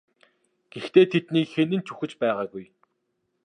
Гэхдээ тэдний хэн нь ч үхэж байгаагүй.